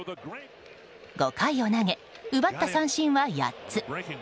５回を投げ、奪った三振は８つ。